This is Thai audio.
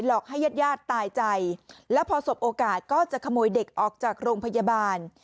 อกให้ญาติญาติตายใจแล้วพอสบโอกาสก็จะขโมยเด็กออกจากโรงพยาบาล